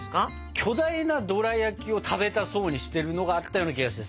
巨大なドラやきを食べたそうにしてるのがあったような気がしてさ。